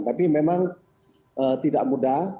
tapi memang tidak mudah